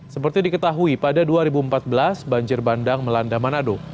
seperti diketahui pada dua ribu empat belas banjir bandang melanda manado